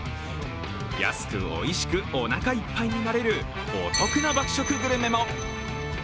安くおいしくおなかいっぱいになれる、お得な爆食グルメも。